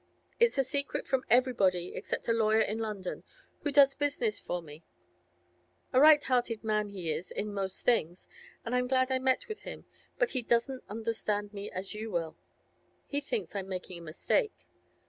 It's a secret from everybody except a lawyer in London, who does business for me; a right hearted man he is, in most things, and I'm glad I met with him, but he doesn't understand me as you will; he thinks I'm making a mistake.